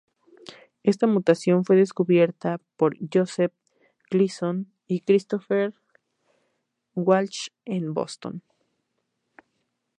Esta mutación fue descubierta por Joseph Gleeson y Christopher A. Walsh en Boston.